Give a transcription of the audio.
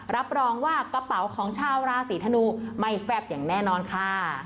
รับรองว่ากระเป๋าของชาวราศีธนูไม่แฟบอย่างแน่นอนค่ะ